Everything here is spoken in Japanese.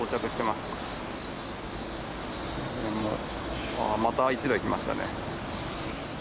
また１台、来ましたね。